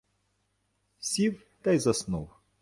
Сів та й заснув.